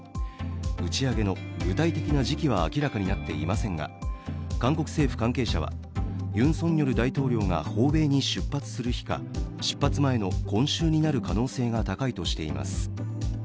打ち上げの具体的な時期は明らかになっていませんが韓国政府関係者はユン・ソンニョル大統領が訪米に出発する日か、出発前の今週になる可能性が高いとしています。